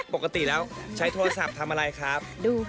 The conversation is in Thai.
ปกติแล้วใช้โทรศัพท์ทำอะไรครับ